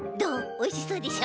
おいしそうでしょ？